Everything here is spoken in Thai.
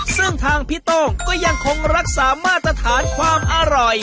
ซึ่งทางพี่โต้งก็ยังคงรักษามาตรฐานความอร่อย